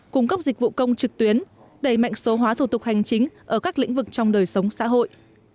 cung cấp dịch vụ công trực tuyến đẩy mạnh số hóa thủ tục hành chính ở các lĩnh vực trong đời sống xã hội